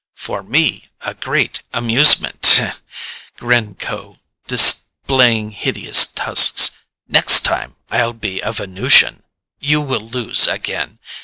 "For me a great amusement," grinned Kho, displaying hideous tusks. "Next time, I'll be a Venusian. You will lose again.